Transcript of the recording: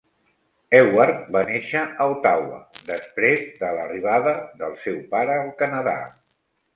Ewart va néixer a Ottawa després de l'arribada del seu pare al Canadà.